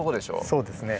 そうですね。